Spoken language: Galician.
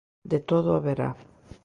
De todo haberá.